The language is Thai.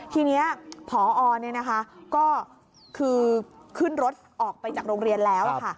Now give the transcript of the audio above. ทีนี้พอก็คือขึ้นรถออกไปจากโรงเรียนแล้วค่ะ